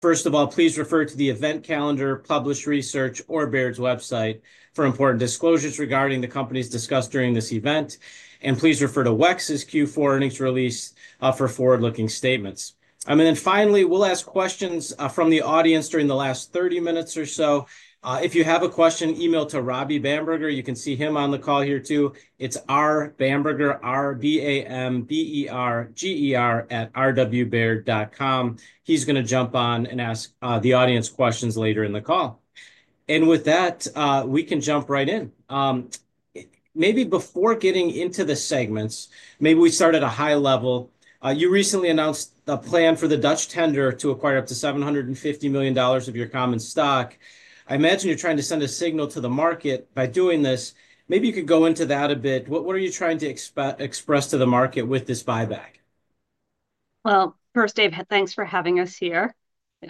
First of all, please refer to the event calendar, published research, or Baird's website for important disclosures regarding the companies discussed during this event. Please refer to WEX's Q4 earnings release for forward-looking statements. Finally, we'll ask questions from the audience during the last 30 minutes or so. If you have a question, email to Robbie Bamberger. You can see him on the call here too. It's R Bamberger, R-B-A-M-B-E-R-G-E-R at rwbaird.com. He's going to jump on and ask the audience questions later in the call. With that, we can jump right in. Maybe before getting into the segments, maybe we start at a high level. You recently announced a plan for the Dutch tender to acquire up to $750 million of your common stock. I imagine you're trying to send a signal to the market by doing this. Maybe you could go into that a bit. What are you trying to express to the market with this buy-back? Dave, thanks for having us here.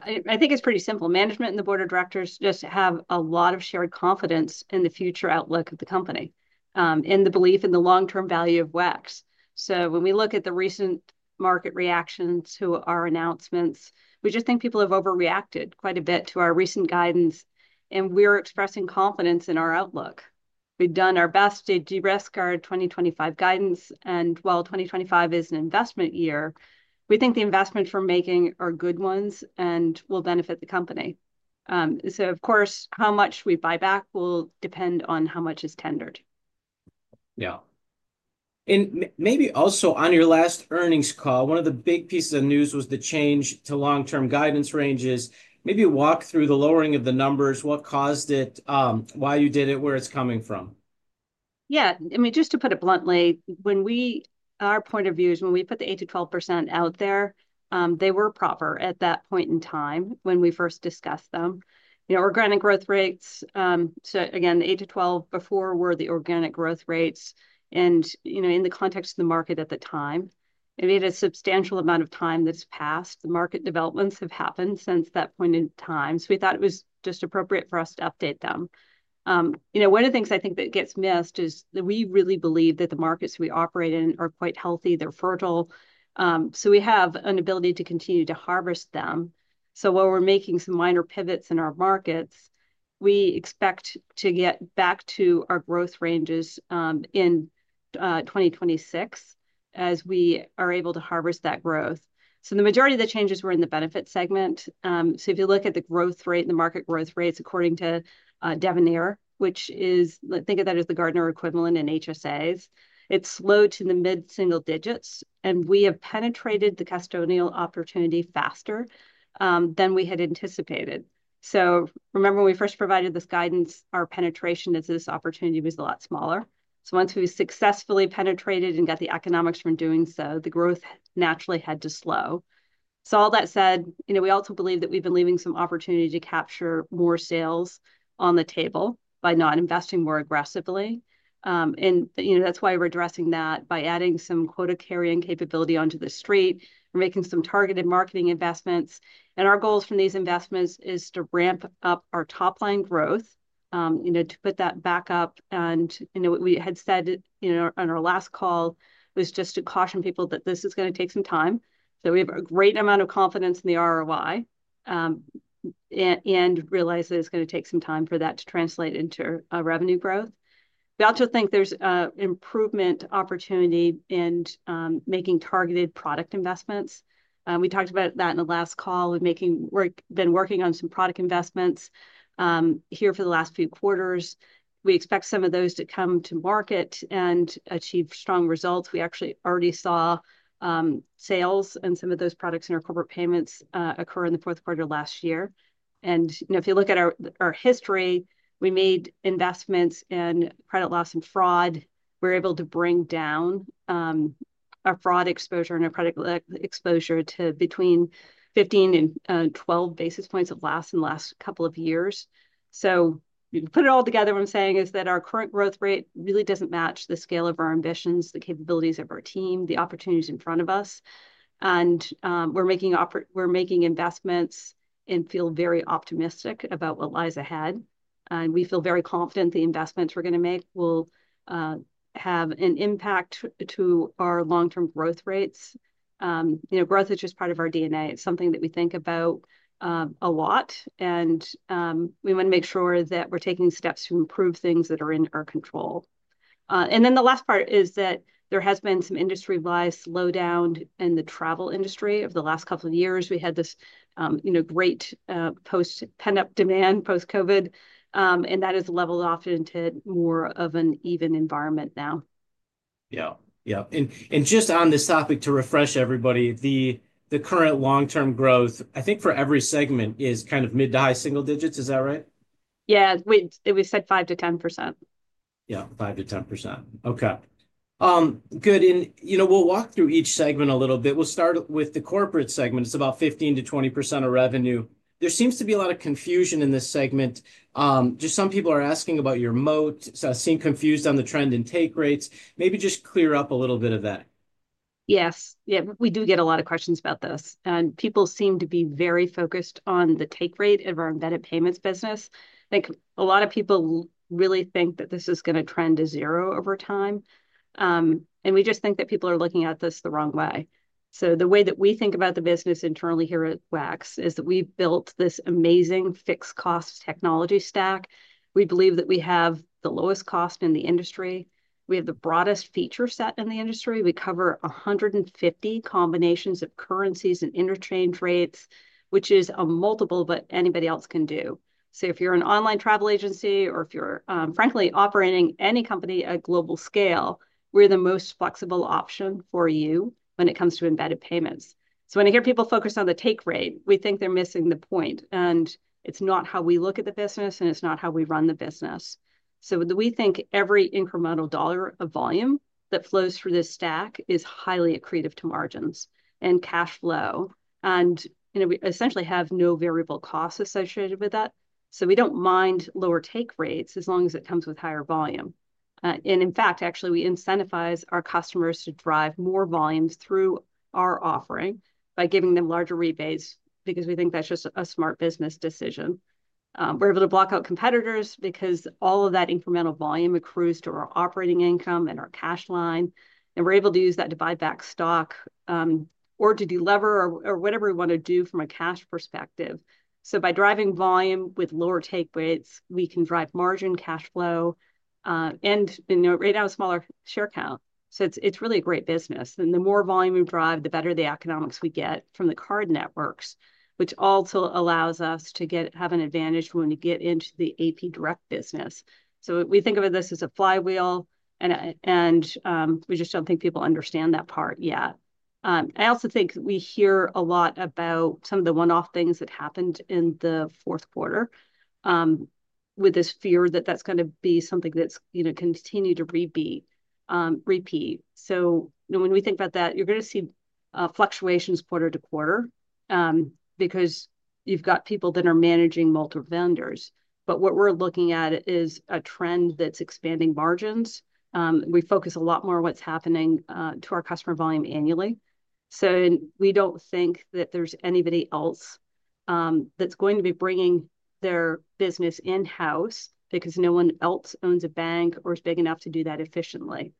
I think it's pretty simple. Management and the board of directors just have a lot of shared confidence in the future outlook of the company and the belief in the long-term value of WEX. When we look at the recent market reactions to our announcements, we just think people have overreacted quite a bit to our recent guidance, and we're expressing confidence in our outlook. We've done our best to de-risk our 2025 guidance. While 2025 is an investment year, we think the investments we're making are good ones and will benefit the company. Of course, how much we buy-back will depend on how much is tendered. Yeah. Maybe also on your last earnings call, one of the big pieces of news was the change to long-term guidance ranges. Maybe walk through the lowering of the numbers, what caused it, why you did it, where it's coming from. Yeah. I mean, just to put it bluntly, our point of view is when we put the 8-12% out there, they were proper at that point in time when we first discussed them. You know, organic growth rates, so again, the 8-12% before were the organic growth rates. You know, in the context of the market at the time, it made a substantial amount of time that's passed. The market developments have happened since that point in time. We thought it was just appropriate for us to update them. You know, one of the things I think that gets missed is that we really believe that the markets we operate in are quite healthy. They're fertile. We have an ability to continue to harvest them. While we're making some minor pivots in our markets, we expect to get back to our growth ranges in 2026 as we are able to harvest that growth. The majority of the changes were in the Benefits segment. If you look at the growth rate and the market growth rates according to Devenir, which is, think of that as the Gartner equivalent in HSAs, it's slow to the mid-single digits. We have penetrated the custodial opportunity faster than we had anticipated. Remember when we first provided this guidance, our penetration into this opportunity was a lot smaller. Once we successfully penetrated and got the economics from doing so, the growth naturally had to slow. All that said, you know, we also believe that we've been leaving some opportunity to capture more sales on the table by not investing more aggressively. You know, that's why we're addressing that by adding some quota-carrying capability onto the street and making some targeted marketing investments. Our goals from these investments are to ramp up our top-line growth, you know, to put that back up. You know, what we had said, you know, on our last call was just to caution people that this is going to take some time. We have a great amount of confidence in the ROI and realize that it's going to take some time for that to translate into revenue growth. We also think there's an improvement opportunity in making targeted product investments. We talked about that in the last call. We've been working on some product investments here for the last few quarters. We expect some of those to come to market and achieve strong results. We actually already saw sales in some of those products in our Corporate Payments occur in the fourth quarter last year. You know, if you look at our history, we made investments in credit loss and fraud. We're able to bring down our fraud exposure and our credit exposure to between 15 and 12 basis points of loss in the last couple of years. You put it all together, what I'm saying is that our current growth rate really doesn't match the scale of our ambitions, the capabilities of our team, the opportunities in front of us. We're making investments and feel very optimistic about what lies ahead. We feel very confident the investments we're going to make will have an impact on our long-term growth rates. You know, growth is just part of our DNA. It's something that we think about a lot. We want to make sure that we're taking steps to improve things that are in our control. The last part is that there has been some industry-wide slowdown in the travel industry over the last couple of years. We had this, you know, great post-pent-up demand post-COVID. That has leveled off into more of an even environment now. Yeah. Yeah. Just on this topic, to refresh everybody, the current long-term growth, I think for every segment is kind of mid to high single digits, is that right? Yeah. We said 5-10%. Yeah. 5%-10%. Okay. Good. You know, we'll walk through each segment a little bit. We'll start with the Corporate segment. It's about 15%-20% of revenue. There seems to be a lot of confusion in this segment. Just some people are asking about your moat. I've seen confused on the trend in take rates. Maybe just clear up a little bit of that. Yes. Yeah. We do get a lot of questions about this. People seem to be very focused on the take rate of our embedded payments business. I think a lot of people really think that this is going to trend to zero over time. We just think that people are looking at this the wrong way. The way that we think about the business internally here at WEX is that we've built this amazing fixed cost technology stack. We believe that we have the lowest cost in the industry. We have the broadest feature set in the industry. We cover 150 combinations of currencies and interchange rates, which is a multiple that anybody else can do. If you're an online travel agency or if you're, frankly, operating any company at global scale, we're the most flexible option for you when it comes to embedded payments. When I hear people focus on the take rate, we think they're missing the point. It's not how we look at the business, and it's not how we run the business. We think every incremental dollar of volume that flows through this stack is highly accretive to margins and cash flow. You know, we essentially have no variable costs associated with that. We don't mind lower take rates as long as it comes with higher volume. In fact, actually, we incentivize our customers to drive more volumes through our offering by giving them larger rebates because we think that's just a smart business decision. We're able to block out competitors because all of that incremental volume accrues to our operating income and our cash line. We're able to use that to buy back stock or to deliver or whatever we want to do from a cash perspective. By driving volume with lower take rates, we can drive margin cash flow and, you know, right now, a smaller share count. It's really a great business. The more volume we drive, the better the economics we get from the card networks, which also allows us to have an advantage when we get into the AP Direct business. We think of this as a flywheel. We just don't think people understand that part yet. I also think we hear a lot about some of the one-off things that happened in the fourth quarter with this fear that that's going to be something that's, you know, continued to repeat. When we think about that, you're going to see fluctuations quarter to quarter because you've got people that are managing multiple vendors. What we're looking at is a trend that's expanding margins. We focus a lot more on what's happening to our customer volume annually. We don't think that there's anybody else that's going to be bringing their business in-house because no one else owns a bank or is big enough to do that efficiently.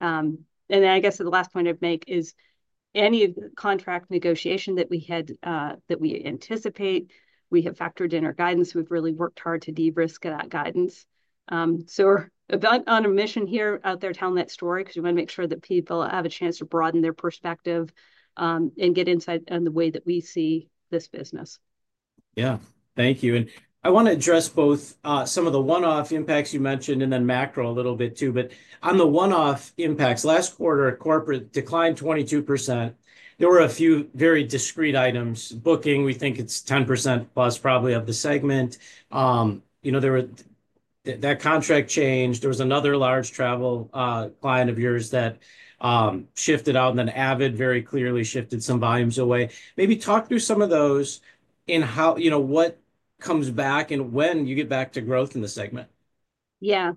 I guess the last point I'd make is any contract negotiation that we had that we anticipate, we have factored in our guidance. We've really worked hard to de-risk that guidance. We're on a mission here out there telling that story because we want to make sure that people have a chance to broaden their perspective and get insight on the way that we see this business. Yeah. Thank you. I want to address both some of the one-off impacts you mentioned and then macro a little bit too. On the one-off impacts, last quarter, Corporate declined 22%. There were a few very discrete items. Booking, we think it's 10% plus probably of the segment. You know, there were that contract changed. There was another large travel client of yours that shifted out and then Avid very clearly shifted some volumes away. Maybe talk through some of those and how, you know, what comes back and when you get back to growth in the segment. Yeah.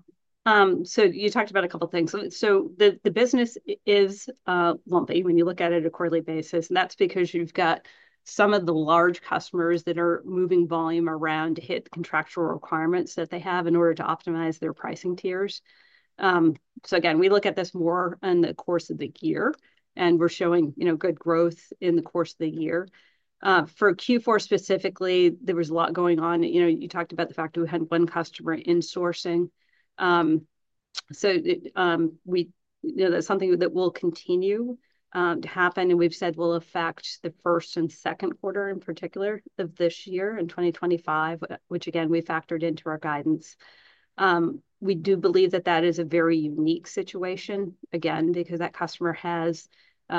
You talked about a couple of things. The business is lumpy when you look at it on a quarterly basis. That's because you've got some of the large customers that are moving volume around to hit contractual requirements that they have in order to optimize their pricing tiers. Again, we look at this more in the course of the year. We're showing, you know, good growth in the course of the year. For Q4 specifically, there was a lot going on. You talked about the fact that we had one customer insourcing. That's something that will continue to happen. We've said will affect the first and second quarter in particular of this year in 2025, which again, we factored into our guidance. We do believe that that is a very unique situation, again, because that customer has,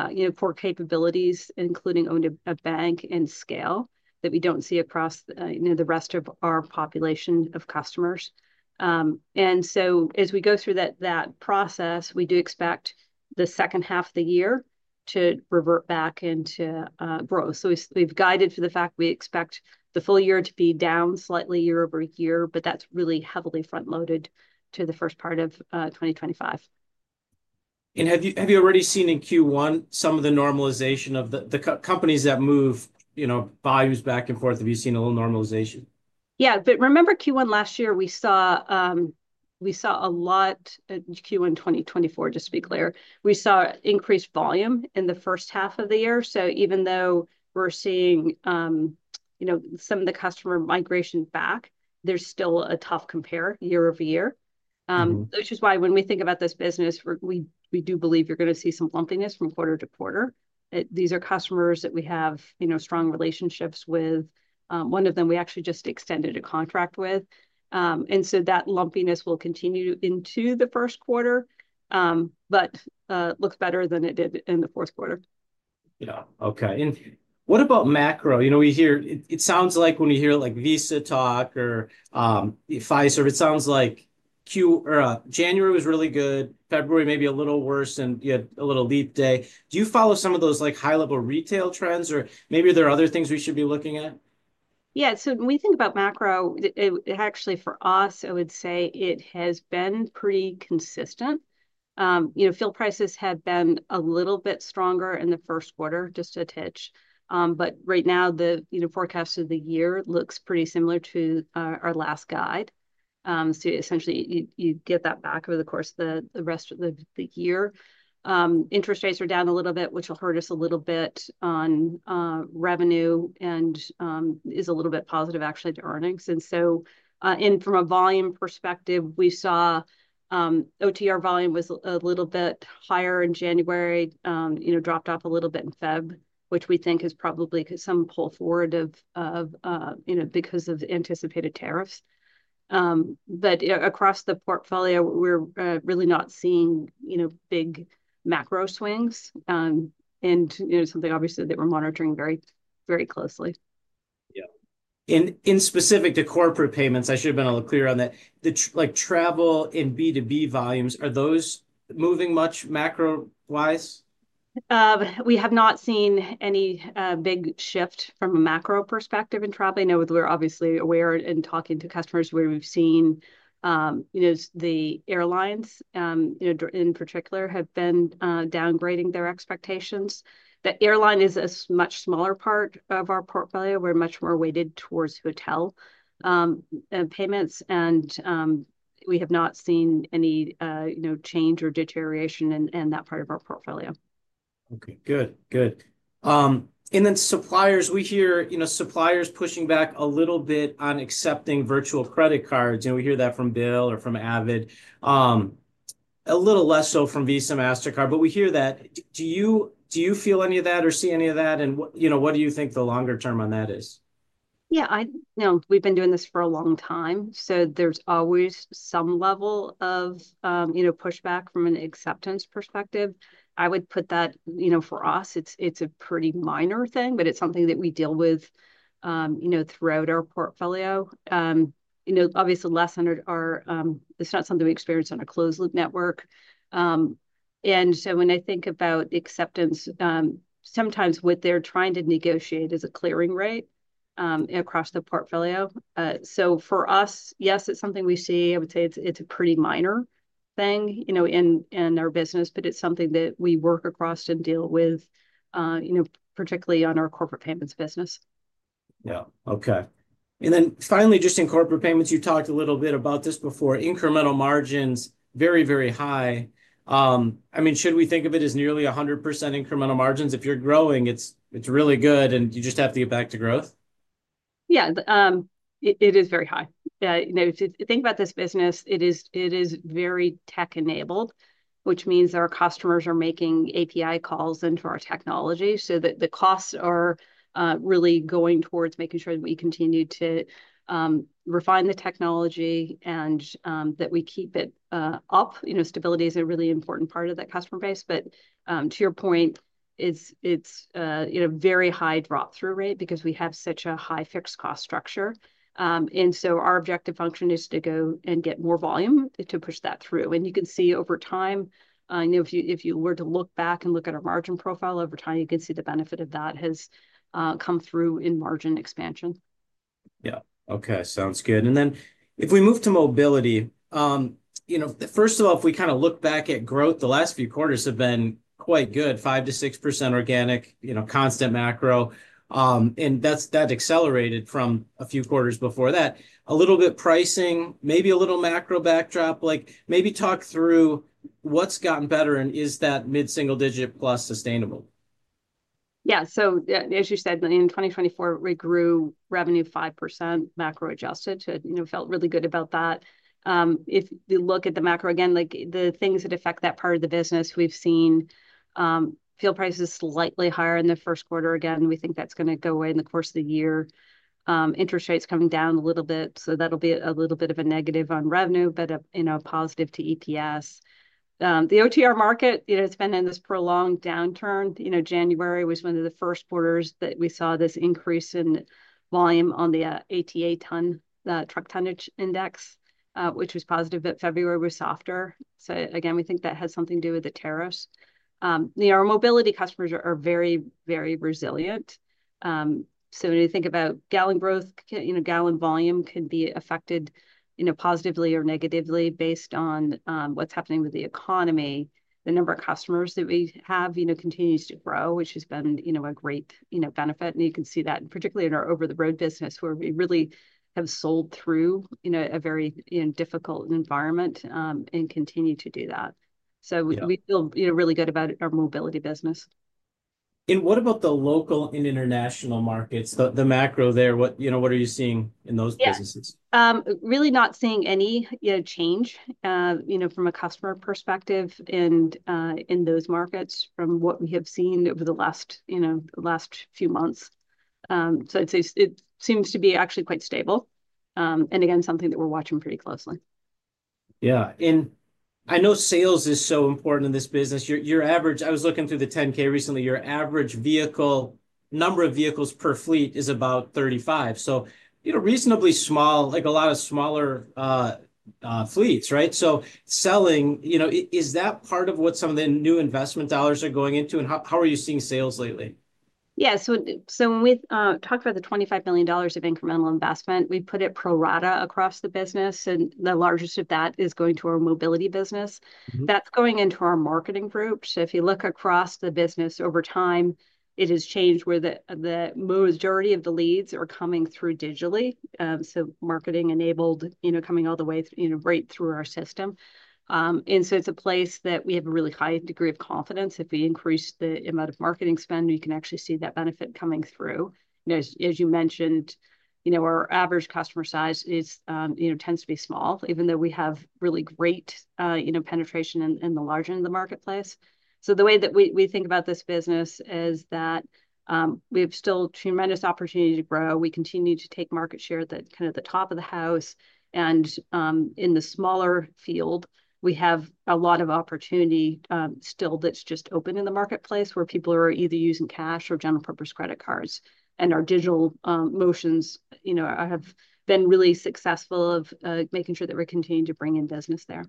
you know, core capabilities, including owning a bank and scale that we do not see across, you know, the rest of our population of customers. As we go through that process, we do expect the second half of the year to revert back into growth. We have guided for the fact we expect the full year to be down slightly year-over-year, but that is really heavily front-loaded to the first part of 2025. Have you already seen in Q1 some of the normalization of the companies that move, you know, volumes back and forth? Have you seen a little normalization? Yeah. Remember Q1 last year, we saw a lot in Q1 2024, just to be clear. We saw increased volume in the first half of the year. Even though we're seeing, you know, some of the customer migration back, there's still a tough compare year over year. Which is why when we think about this business, we do believe you're going to see some lumpiness from quarter-to-quarter. These are customers that we have, you know, strong relationships with. One of them we actually just extended a contract with. That lumpiness will continue into the first quarter, but looks better than it did in the fourth quarter. Yeah. Okay. And what about macro? You know, we hear it sounds like when you hear like Visa talk or Fiserv, it sounds like Q or January was really good, February maybe a little worse, and you had a little leap day. Do you follow some of those like high-level retail trends, or maybe there are other things we should be looking at? Yeah. So when we think about macro, actually for us, I would say it has been pretty consistent. You know, fuel prices have been a little bit stronger in the first quarter, just a titch. Right now, the, you know, forecast of the year looks pretty similar to our last guide. Essentially, you get that back over the course of the rest of the year. Interest rates are down a little bit, which will hurt us a little bit on revenue and is a little bit positive, actually, to earnings. From a volume perspective, we saw OTR volume was a little bit higher in January, you know, dropped off a little bit in February, which we think is probably some pull forward of, you know, because of anticipated tariffs. Across the portfolio, we're really not seeing, you know, big macro swings and, you know, something obviously that we're monitoring very, very closely. Yeah. Specific to Corporate Payments, I should have been a little clearer on that. The like travel and B2B volumes, are those moving much macro-wise? We have not seen any big shift from a macro perspective in travel. I know we're obviously aware in talking to customers where we've seen, you know, the airlines, you know, in particular have been downgrading their expectations. The airline is a much smaller part of our portfolio. We're much more weighted towards hotel payments. And we have not seen any, you know, change or deterioration in that part of our portfolio. Okay. Good. Good. And then suppliers, we hear, you know, suppliers pushing back a little bit on accepting virtual credit cards. You know, we hear that from Bill.com or from AvidXchange. A little less so from Visa and Mastercard, but we hear that. Do you feel any of that or see any of that? And you know, what do you think the longer term on that is? Yeah. I know we've been doing this for a long time. There's always some level of, you know, pushback from an acceptance perspective. I would put that, you know, for us, it's a pretty minor thing, but it's something that we deal with, you know, throughout our portfolio. You know, obviously less under our it's not something we experience on a closed-loop network. When I think about acceptance, sometimes what they're trying to negotiate is a clearing rate across the portfolio. For us, yes, it's something we see. I would say it's a pretty minor thing, you know, in our business, but it's something that we work across and deal with, you know, particularly on our Corporate Payments business. Yeah. Okay. Finally, just in Corporate Payments, you talked a little bit about this before. Incremental margins, very, very high. I mean, should we think of it as nearly 100% incremental margins? If you're growing, it's really good, and you just have to get back to growth? Yeah. It is very high. You know, if you think about this business, it is very tech-enabled, which means our customers are making API calls into our technology. So the costs are really going towards making sure that we continue to refine the technology and that we keep it up. You know, stability is a really important part of that customer base. To your point, it's, you know, very high drop-through rate because we have such a high fixed cost structure. Our objective function is to go and get more volume to push that through. You can see over time, you know, if you were to look back and look at our margin profile over time, you can see the benefit of that has come through in margin expansion. Yeah. Okay. Sounds good. If we move to Mobility, you know, first of all, if we kind of look back at growth, the last few quarters have been quite good. 5%-6% organic, you know, constant macro. That accelerated from a few quarters before that. A little bit pricing, maybe a little macro backdrop, like maybe talk through what's gotten better and is that mid-single digit plus sustainable? Yeah. As you said, in 2024, we grew revenue 5% macro-adjusted to, you know, felt really good about that. If you look at the macro again, like the things that affect that part of the business, we've seen fuel prices slightly higher in the first quarter. Again, we think that's going to go away in the course of the year. Interest rates coming down a little bit. That'll be a little bit of a negative on revenue, but, you know, positive to EPS. The OTR market, you know, it's been in this prolonged downturn. January was one of the first quarters that we saw this increase in volume on the ATA ton, the truck tonnage index, which was positive that February was softer. We think that has something to do with the tariffs. You know, our Mobility customers are very, very resilient. When you think about gallon growth, you know, gallon volume could be affected, you know, positively or negatively based on what's happening with the economy. The number of customers that we have, you know, continues to grow, which has been, you know, a great, you know, benefit. You can see that particularly in our over-the-road business where we really have sold through, you know, a very, you know, difficult environment and continue to do that. We feel, you know, really good about our Mobility business. What about the local and international markets? The macro there, what, you know, what are you seeing in those businesses? Yeah. Really not seeing any, you know, change, you know, from a customer perspective in those markets from what we have seen over the last, you know, last few months. I'd say it seems to be actually quite stable. Again, something that we're watching pretty closely. Yeah. I know sales is so important in this business. Your average, I was looking through the 10-K recently, your average number of vehicles per fleet is about 35. You know, reasonably small, like a lot of smaller fleets, right? Selling, you know, is that part of what some of the new investment dollars are going into? How are you seeing sales lately? Yeah. When we talk about the $25 million of incremental investment, we put it pro rata across the business. The largest of that is going to our Mobility business. That is going into our marketing group. If you look across the business over time, it has changed where the majority of the leads are coming through digitally. Marketing enabled, you know, coming all the way, you know, right through our system. It is a place that we have a really high degree of confidence. If we increase the amount of marketing spend, we can actually see that benefit coming through. As you mentioned, you know, our average customer size is, you know, tends to be small, even though we have really great, you know, penetration in the margin of the marketplace. The way that we think about this business is that we have still tremendous opportunity to grow. We continue to take market share at kind of the top of the house. In the smaller field, we have a lot of opportunity still that's just open in the marketplace where people are either using cash or general purpose credit cards. Our digital motions, you know, have been really successful of making sure that we're continuing to bring in business there.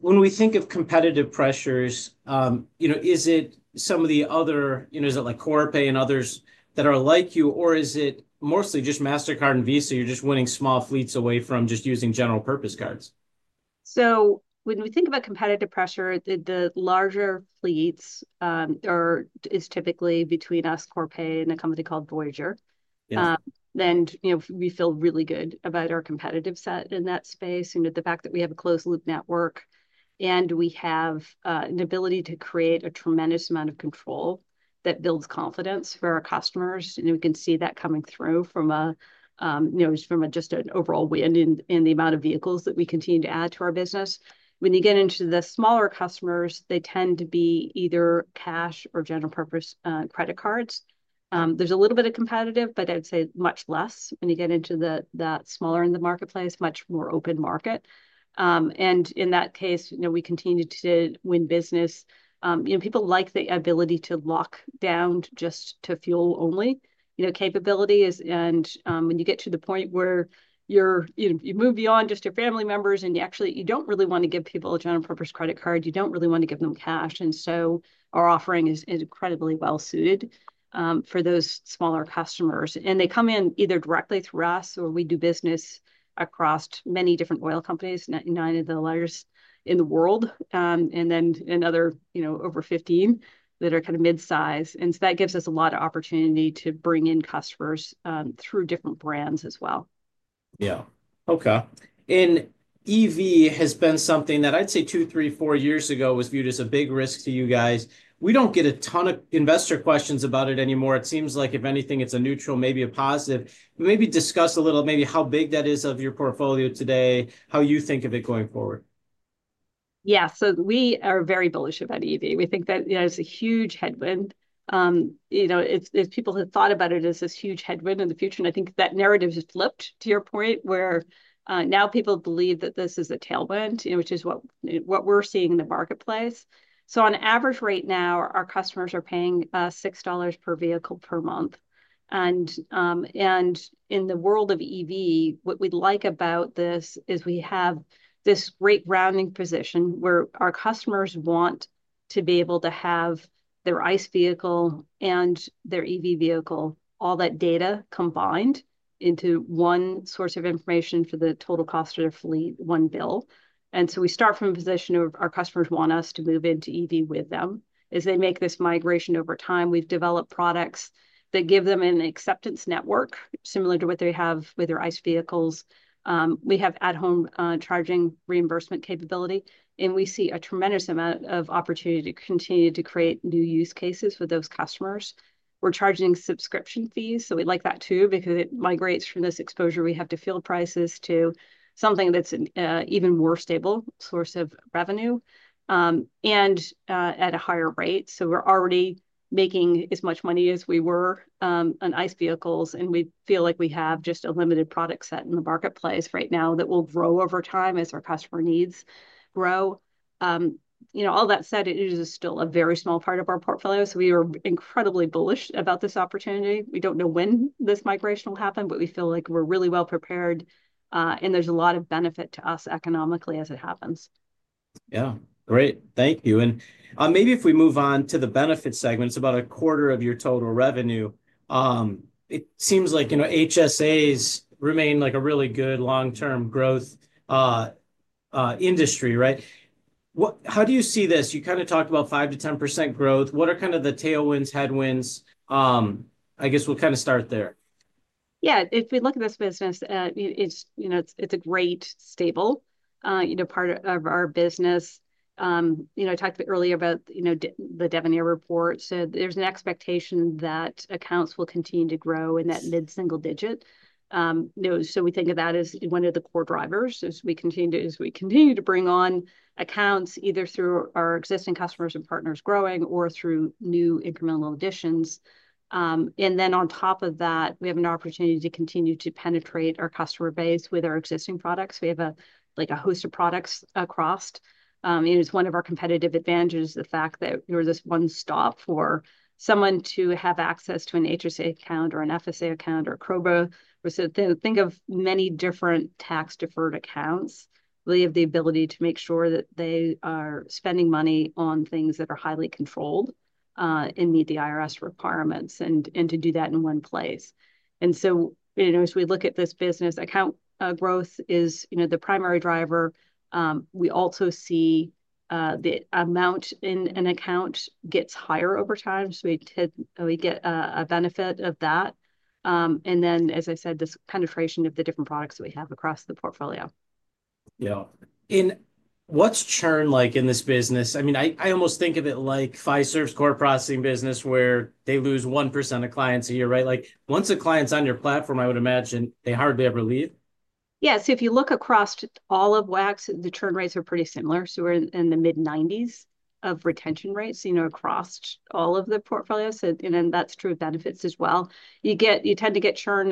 When we think of competitive pressures, you know, is it some of the other, you know, is it like Corpay and others that are like you, or is it mostly just Mastercard and Visa? You're just winning small fleets away from just using general purpose cards. When we think about competitive pressure, the larger fleets are typically between us, Corpay, and a company called Voyager. You know, we feel really good about our competitive set in that space. You know, the fact that we have a closed-loop network and we have an ability to create a tremendous amount of control that builds confidence for our customers. We can see that coming through from a, you know, just an overall win in the amount of vehicles that we continue to add to our business. When you get into the smaller customers, they tend to be either cash or general purpose credit cards. There's a little bit of competitive, but I'd say much less when you get into that smaller in the marketplace, much more open market. In that case, you know, we continue to win business. You know, people like the ability to lock down just to fuel only, you know, capability. When you get to the point where you're, you know, you move beyond just your family members and you actually, you don't really want to give people a general purpose credit card, you don't really want to give them cash. Our offering is incredibly well-suited for those smaller customers. They come in either directly through us or we do business across many different oil companies, nine of the largest in the world, and then another, you know, over 15 that are kind of mid-size. That gives us a lot of opportunity to bring in customers through different brands as well. Yeah. Okay. EV has been something that I'd say two, three, four years ago was viewed as a big risk to you guys. We don't get a ton of investor questions about it anymore. It seems like if anything, it's a neutral, maybe a positive. Maybe discuss a little, maybe how big that is of your portfolio today, how you think of it going forward. Yeah. We are very bullish about EV. We think that it's a huge headwind. You know, if people have thought about it as this huge headwind in the future, and I think that narrative has flipped to your point where now people believe that this is a tailwind, you know, which is what we're seeing in the marketplace. On average right now, our customers are paying $6 per vehicle per month. In the world of EV, what we like about this is we have this great grounding position where our customers want to be able to have their ICE vehicle and their EV vehicle, all that data combined into one source of information for the total cost of their fleet, one bill. We start from a position of our customers want us to move into EV with them. As they make this migration over time, we've developed products that give them an acceptance network similar to what they have with their ICE vehicles. We have at-home charging reimbursement capability. We see a tremendous amount of opportunity to continue to create new use cases for those customers. We're charging subscription fees. We like that too because it migrates from this exposure we have to fuel prices to something that's an even more stable source of revenue and at a higher rate. We're already making as much money as we were on ICE vehicles. We feel like we have just a limited product set in the marketplace right now that will grow over time as our customer needs grow. You know, all that said, it is still a very small part of our portfolio. We are incredibly bullish about this opportunity. We do not know when this migration will happen, but we feel like we are really well prepared. There is a lot of benefit to us economically as it happens. Yeah. Great. Thank you. Maybe if we move on to the benefit segment, it's about a quarter of your total revenue. It seems like, you know, HSAs remain like a really good long-term growth industry, right? How do you see this? You kind of talked about 5-10% growth. What are kind of the tailwinds, headwinds? I guess we'll kind of start there. Yeah. If we look at this business, it's, you know, it's a great, stable, you know, part of our business. You know, I talked earlier about, you know, the Devenir report. So there's an expectation that accounts will continue to grow in that mid-single digit. We think of that as one of the core drivers as we continue to bring on accounts either through our existing customers and partners growing or through new incremental additions. On top of that, we have an opportunity to continue to penetrate our customer base with our existing products. We have like a host of products across. It's one of our competitive advantages, the fact that we're this one stop for someone to have access to an HSA account or an FSA account or a COBRA. Think of many different tax-deferred accounts. We have the ability to make sure that they are spending money on things that are highly controlled and meet the IRS requirements and to do that in one place. You know, as we look at this business, account growth is, you know, the primary driver. We also see the amount in an account gets higher over time. We get a benefit of that. As I said, this penetration of the different products that we have across the portfolio. Yeah. What's churn like in this business? I mean, I almost think of it like Fiserv's core processing business where they lose 1% of clients a year, right? Like once a client's on your platform, I would imagine they hardly ever leave. Yeah. If you look across all of WEX, the churn rates are pretty similar. We're in the mid-90% of retention rates, you know, across all of the portfolios. That's true of Benefits as well. You tend to get churn,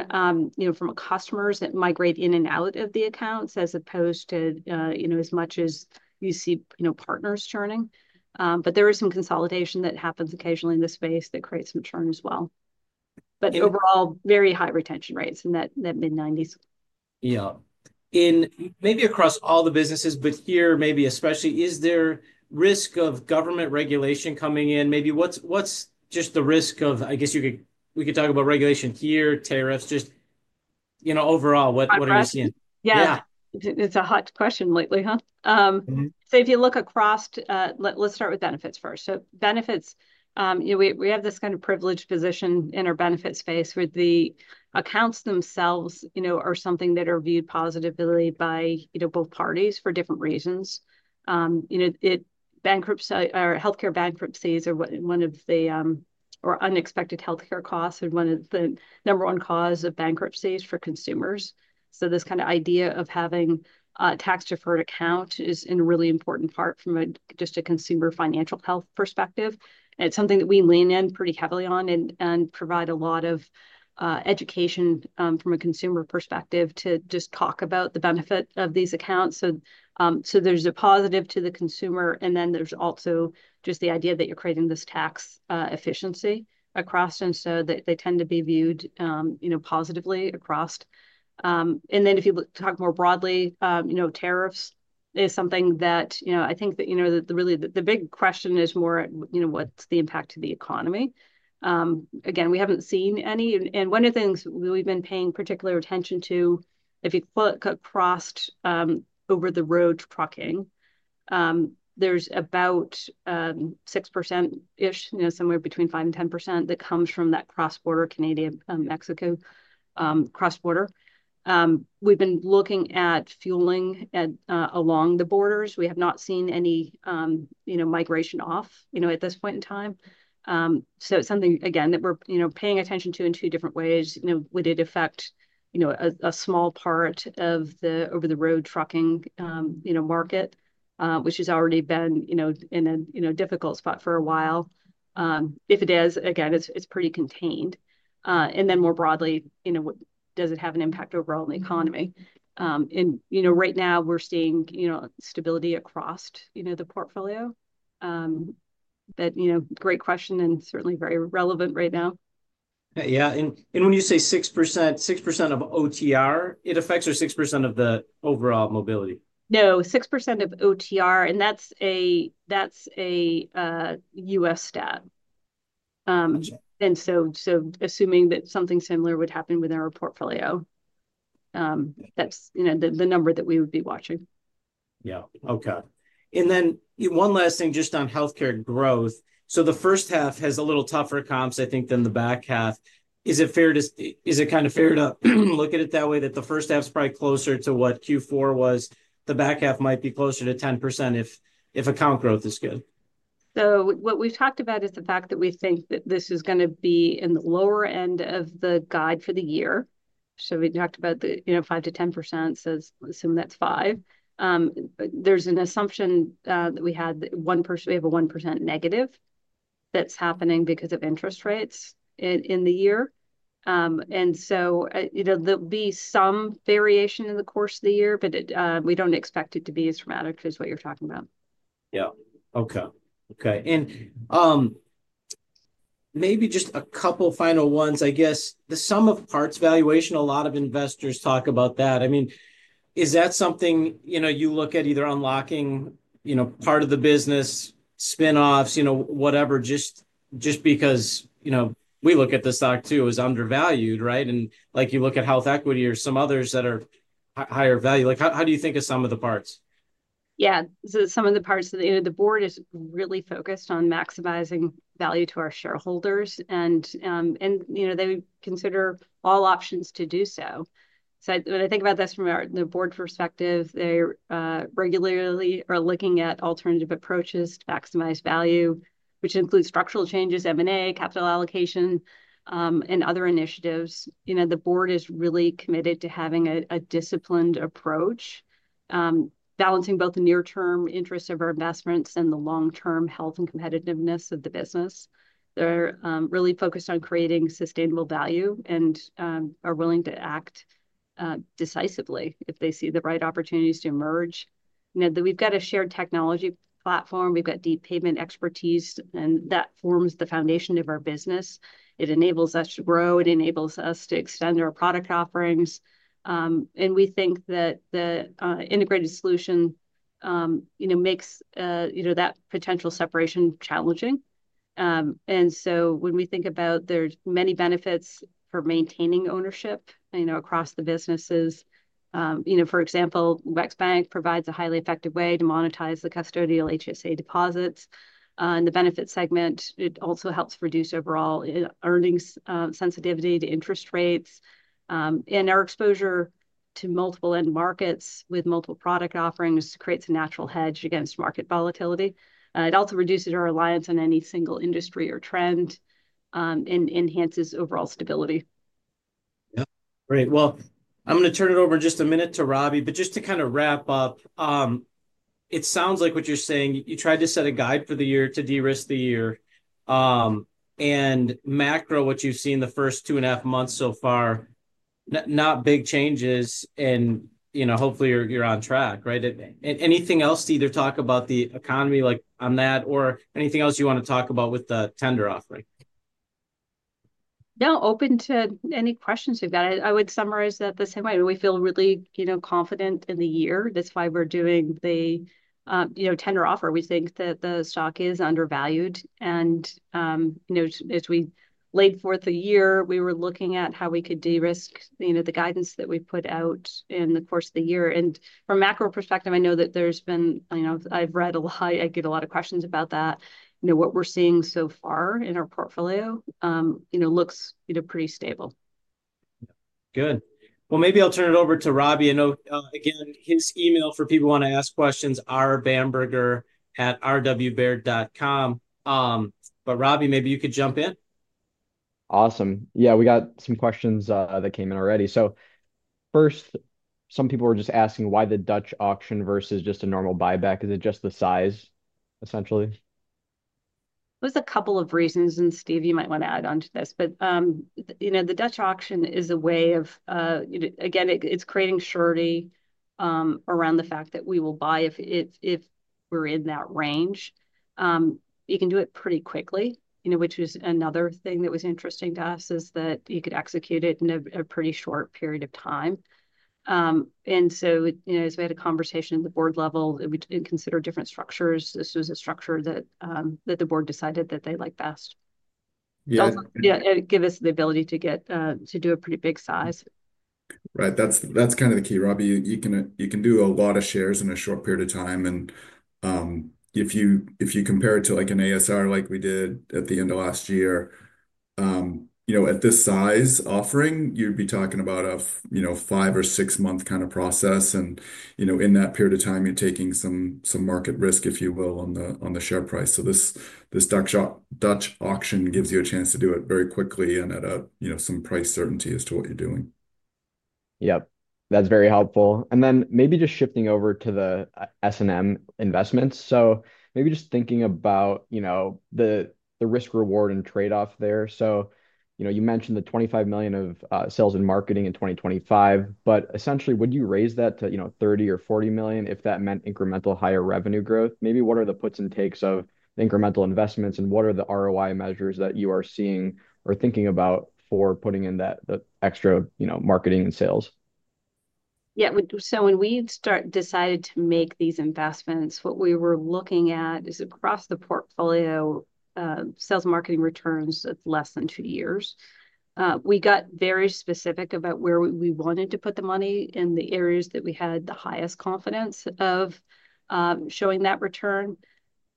you know, from customers that migrate in and out of the accounts as opposed to, you know, as much as you see, you know, partners churning. There is some consolidation that happens occasionally in this space that creates some churn as well. Overall, very high retention rates in that mid-90%. Yeah. Maybe across all the businesses, but here maybe especially, is there risk of government regulation coming in? Maybe what's just the risk of, I guess you could, we could talk about regulation here, tariffs, just, you know, overall, what are you seeing? Yeah. It's a hot question lately, huh? If you look across, let's start with Benefits first. Benefits, you know, we have this kind of privileged position in our benefit space where the accounts themselves, you know, are something that are viewed positively by, you know, both parties for different reasons. You know, bankruptcy or healthcare bankruptcies are one of the unexpected healthcare costs and one of the number one causes of bankruptcies for consumers. This kind of idea of having a tax-deferred account is a really important part from just a consumer financial health perspective. It's something that we lean in pretty heavily on and provide a lot of education from a consumer perspective to just talk about the benefit of these accounts. There's a positive to the consumer. There's also just the idea that you're creating this tax efficiency across. They tend to be viewed, you know, positively across. If you talk more broadly, you know, tariffs is something that, you know, I think that, you know, really the big question is more, you know, what's the impact to the economy? Again, we haven't seen any. One of the things we've been paying particular attention to, if you look across over-the-road trucking, there's about 6%-ish, you know, somewhere between 5% and 10% that comes from that cross-border Canadian-Mexico cross-border. We've been looking at fueling along the borders. We have not seen any, you know, migration off, you know, at this point in time. It is something, again, that we're, you know, paying attention to in two different ways. You know, would it affect, you know, a small part of the over-the-road trucking, you know, market, which has already been, you know, in a, you know, difficult spot for a while? If it is, again, it's pretty contained. More broadly, you know, does it have an impact overall in the economy? You know, right now we're seeing, you know, stability across, you know, the portfolio. That, you know, great question and certainly very relevant right now. Yeah. When you say 6%, 6% of OTR, it affects or 6% of the overall Mobility? No, 6% of OTR. That's a U.S. stat. Assuming that something similar would happen within our portfolio, that's, you know, the number that we would be watching. Yeah. Okay. One last thing just on healthcare growth. The first half has a little tougher comps, I think, than the back half. Is it fair to, is it kind of fair to look at it that way that the first half is probably closer to what Q4 was? The back half might be closer to 10% if account growth is good. What we've talked about is the fact that we think that this is going to be in the lower end of the guide for the year. We talked about the, you know, 5-10%, so assume that's 5%. There's an assumption that we had that we have a 1% negative that's happening because of interest rates in the year. You know, there'll be some variation in the course of the year, but we don't expect it to be as dramatic as what you're talking about. Yeah. Okay. Okay. Maybe just a couple final ones, I guess. The sum of parts valuation, a lot of investors talk about that. I mean, is that something, you know, you look at either unlocking, you know, part of the business, spinoffs, you know, whatever, just because, you know, we look at the stock too as undervalued, right? Like you look at HealthEquity or some others that are higher value. Like how do you think of some of the parts? Yeah. Some of the parts, you know, the board is really focused on maximizing value to our shareholders. And, you know, they consider all options to do so. When I think about this from the board perspective, they regularly are looking at alternative approaches to maximize value, which includes structural changes, M&A, capital allocation, and other initiatives. You know, the board is really committed to having a disciplined approach, balancing both the near-term interests of our investments and the long-term health and competitiveness of the business. They're really focused on creating sustainable value and are willing to act decisively if they see the right opportunities to emerge. You know, we've got a shared technology platform. We've got deep payment expertise, and that forms the foundation of our business. It enables us to grow. It enables us to extend our product offerings. We think that the integrated solution, you know, makes, you know, that potential separation challenging. When we think about there's many Benefits for maintaining ownership, you know, across the businesses. You know, for example, WEX Bank provides a highly effective way to monetize the custodial HSA deposits. In the benefit segment, it also helps reduce overall earnings sensitivity to interest rates. Our exposure to multiple end markets with multiple product offerings creates a natural hedge against market volatility. It also reduces our reliance on any single industry or trend and enhances overall stability. Yeah. Great. I'm going to turn it over in just a minute to Robbie, but just to kind of wrap up, it sounds like what you're saying, you tried to set a guide for the year to de-risk the year. And macro, what you've seen the first two and a half months so far, not big changes. You know, hopefully you're on track, right? Anything else to either talk about the economy like on that or anything else you want to talk about with the tender offering? No, open to any questions we've got. I would summarize that the same way. We feel really, you know, confident in the year. That's why we're doing the, you know, tender offer. We think that the stock is undervalued. You know, as we laid forth the year, we were looking at how we could de-risk, you know, the guidance that we put out in the course of the year. From a macro perspective, I know that there's been, you know, I've read a lot, I get a lot of questions about that. You know, what we're seeing so far in our portfolio, you know, looks, you know, pretty stable. Good. Maybe I'll turn it over to Robbie. I know again, his email for people who want to ask questions is rbamberger@rwbeard.com. Robbie, maybe you could jump in. Awesome. Yeah. We got some questions that came in already. First, some people were just asking why the Dutch auction versus just a normal buyback. Is it just the size, essentially? There's a couple of reasons. Steve, you might want to add on to this. You know, the Dutch auction is a way of, you know, again, it's creating surety around the fact that we will buy if we're in that range. You can do it pretty quickly, you know, which was another thing that was interesting to us is that you could execute it in a pretty short period of time. You know, as we had a conversation at the board level, we didn't consider different structures. This was a structure that the board decided that they liked best. Yeah. Give us the ability to get to do a pretty big size. Right. That's kind of the key, Robbie. You can do a lot of shares in a short period of time. If you compare it to like an ASR like we did at the end of last year, you know, at this size offering, you'd be talking about a, you know, five or six-month kind of process. In that period of time, you're taking some market risk, if you will, on the share price. This Dutch auction gives you a chance to do it very quickly and at a, you know, some price certainty as to what you're doing. Yep. That's very helpful. Maybe just shifting over to the S&M investments. Maybe just thinking about, you know, the risk-reward and trade-off there. You mentioned the $25 million of sales and marketing in 2025, but essentially, would you raise that to, you know, $30 million or $40 million if that meant incremental higher revenue growth? Maybe what are the puts and takes of incremental investments and what are the ROI measures that you are seeing or thinking about for putting in that extra, you know, marketing and sales? Yeah. When we started to make these investments, what we were looking at is across the portfolio, sales and marketing returns at less than two years. We got very specific about where we wanted to put the money in the areas that we had the highest confidence of showing that return.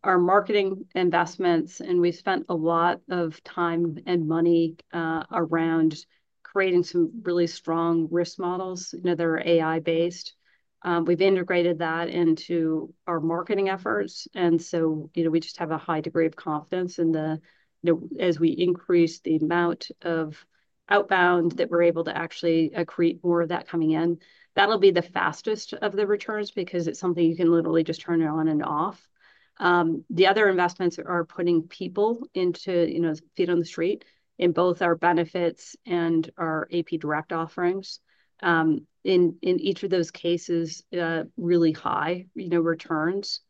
Our marketing investments, and we spent a lot of time and money around creating some really strong risk models. You know, they're AI-based. We've integrated that into our marketing efforts. You know, we just have a high degree of confidence in the, you know, as we increase the amount of outbound that we're able to actually accrete more of that coming in. That'll be the fastest of the returns because it's something you can literally just turn it on and off. The other investments are putting people into, you know, feet on the street in both our Benefits and our AP Direct offerings. In each of those cases, really high, you know, returns.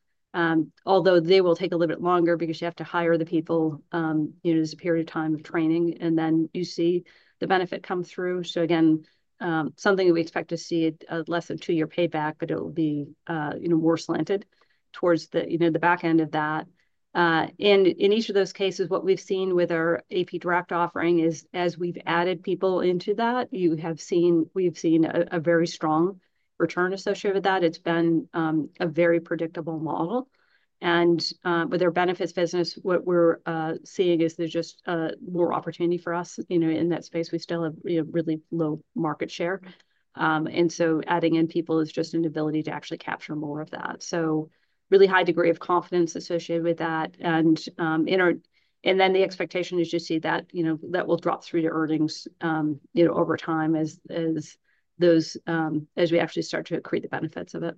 Although they will take a little bit longer because you have to hire the people, you know, there's a period of time of training and then you see the benefit come through. Again, something that we expect to see at less than two-year payback, but it will be, you know, more slanted towards the, you know, the back end of that. In each of those cases, what we've seen with our AP Direct offering is as we've added people into that, you have seen, we've seen a very strong return associated with that. It's been a very predictable model. With our Benefits business, what we're seeing is there's just more opportunity for us, you know, in that space. We still have, you know, really low market share. Adding in people is just an ability to actually capture more of that. Really high degree of confidence associated with that. The expectation is to see that, you know, that will drop through to earnings, you know, over time as those, as we actually start to accrete the Benefits of it.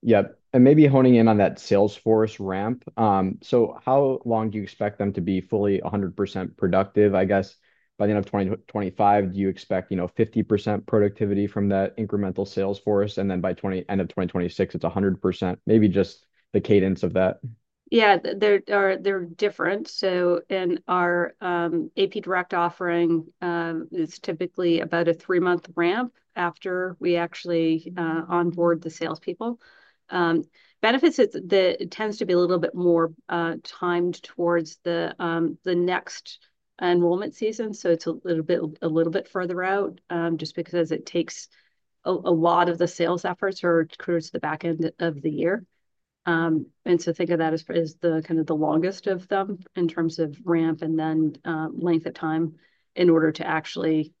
Yeah. Maybe honing in on that sales force ramp. How long do you expect them to be fully 100% productive? I guess by the end of 2025, do you expect, you know, 50% productivity from that incremental sales force? Then by end of 2026, it's 100%, maybe just the cadence of that. Yeah. They're different. In our AP Direct offering, it's typically about a three-month ramp after we actually onboard the salespeople. Benefits, it tends to be a little bit more timed towards the next enrollment season. It's a little bit further out just because it takes a lot of the sales efforts or accrues to the back end of the year. Think of that as the longest of them in terms of ramp and then length of time in order to actually